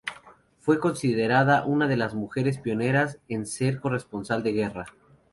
Fue considerada una de las mujeres pioneras en ser corresponsal de guerra.